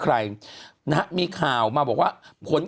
คุณหนุ่มกัญชัยได้เล่าใหญ่ใจความไปสักส่วนใหญ่แล้ว